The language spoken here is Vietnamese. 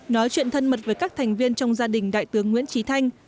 nói chuyện thân mật với các thành viên trong gia đình đại tướng nguyễn trí thanh